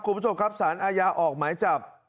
คุณผู้ชมครับสารอาญาออกหมายจับ